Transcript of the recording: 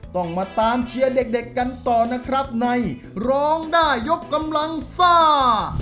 ลงได้โยนกำลังซ่า